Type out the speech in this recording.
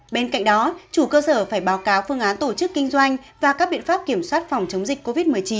bên cạnh đó chủ cơ sở phải báo cáo phương án tổ chức kinh doanh và các biện pháp kiểm soát phòng chống dịch covid một mươi chín